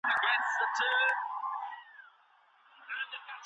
که پر سړکونو د یخ وهلو مخه ونیول سي، نو موټرې نه سلیپ کیږي.